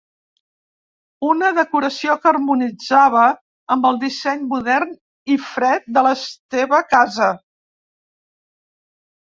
Una decoració que harmonitzava amb el disseny modern i fred de la seva casa.